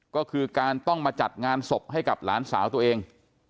ก็คือการต้องมาจัดงานศพให้กับหลานสาวตัวเอง